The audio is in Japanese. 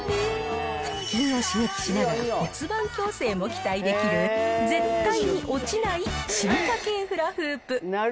腹筋を刺激しながら骨盤矯正も期待できる、絶対に落ちない進化系フラフープ。